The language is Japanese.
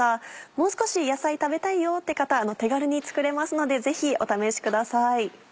もう少し野菜食べたいよって方手軽に作れますのでぜひお試しください。